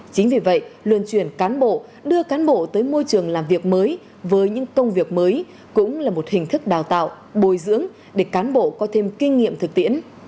chính vì vậy luân chuyển cán bộ đưa cán bộ tới môi trường làm việc mới với những công việc mới cũng là một hình thức đào tạo bồi dưỡng để cán bộ có thêm kinh nghiệm thực tiễn